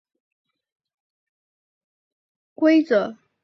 越位是足球运动的规则。